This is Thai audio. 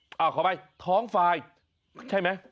ขอบคุณค่ะท้องฝ่ายใช่มั้ย